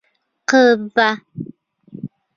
Ҡыҙ ҙа.